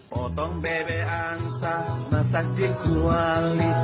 potong bebek angsa masak di kuali